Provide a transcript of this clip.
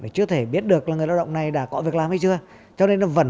chưa thể biết được là người lao động này đã có việc làm hay chưa